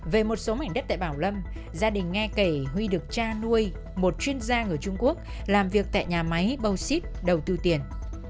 về một số mảnh đất tại bảo lâm gia đình nghe kể huy được cha nuôi một chuyên gia người trung quốc làm việc tại nhà máy boxit đầu tư tiền